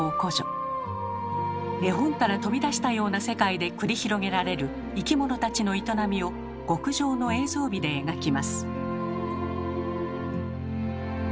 絵本から飛び出したような世界で繰り広げられる生き物たちの営みを極上の映像美で描きます。